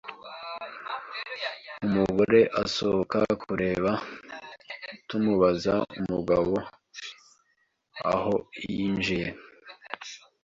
umugore asohoka kureba tumubaza umugabo ahoyinjiye